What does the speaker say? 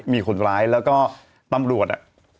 มีคนร้ายแล้วก็ตำรวจ